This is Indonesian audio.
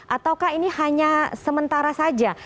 ataukah ini hanya sementara saja